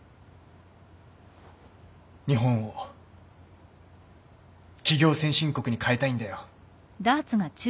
日本を起業先進国に変えたいんだよ。